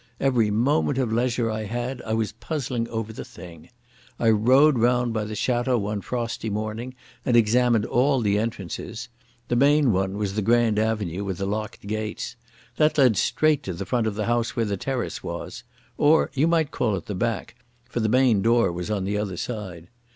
Every moment of leisure I had I was puzzling over the thing. I rode round by the Château one frosty morning and examined all the entrances. The main one was the grand avenue with the locked gates. That led straight to the front of the house where the terrace was—or you might call it the back, for the main door was on the other side.